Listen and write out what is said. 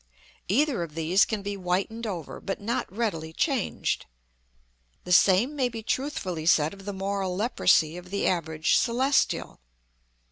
Either of these can be whitened over, but not readily changed; the same may be truthfully said of the moral leprosy of the average Celestial.